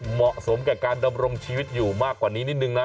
เหมาะสมกับการดำรงชีวิตอยู่มากกว่านี้นิดนึงนะ